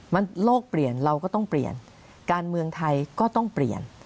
มันโลกเปลี่ยนเราก็ต้องเปลี่ยนการเมืองไทยก็ต้องเปลี่ยน